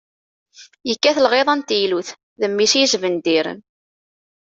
Yekkat lɣiḍa n teylut, d mmi-s i yesbendiren.